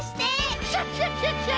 クシャシャシャシャ！